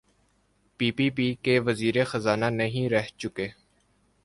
پی P P کے وزیر خزانہ نہیں رہ چکے؟